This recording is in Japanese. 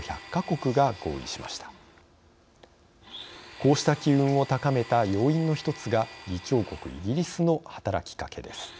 こうした機運を高めた要因の１つが議長国イギリスの働きかけです。